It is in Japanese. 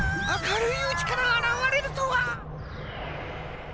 あかるいうちからあらわれるとは！